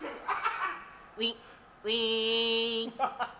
ウィウィン。